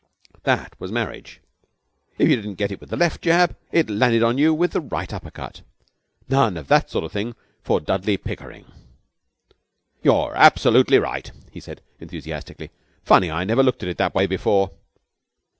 That was marriage. If it didn't get you with the left jab, it landed on you with the right upper cut. None of that sort of thing for Dudley Pickering. 'You're absolutely right,' he said, enthusiastically. 'Funny I never looked at it that way before.'